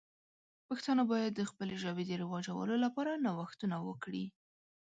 پښتانه باید د خپلې ژبې د رواجولو لپاره نوښتونه وکړي.